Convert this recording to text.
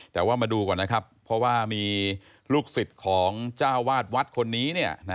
แต่ว่ามาดูก่อนนะครับเพราะว่ามีลูกศิษย์ของเจ้าวาดวัดคนนี้